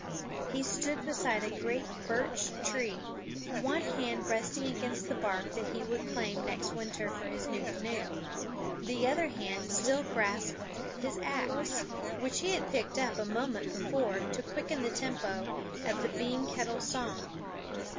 He stood beside a great birch tree, one hand resting against the bark that he would claim next winter for his new canoe; the other hand still grasped his axe, which he had picked up a moment before to quicken the tempo of the bean kettle's song.